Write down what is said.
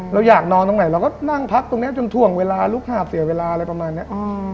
เราอยากนอนตรงไหนเราก็นั่งพักตรงนี้จนถ่วงเวลาลุกหาบเสียเวลาอะไรประมาณนี้